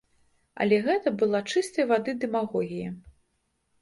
Але гэта была чыстай вады дэмагогія.